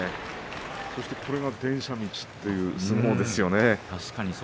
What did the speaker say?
これが電車道という相撲ですね。